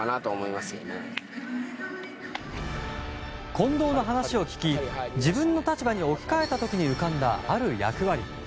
近藤の話を聞き自分の立場に置き換えた時に浮かんだ、ある役割。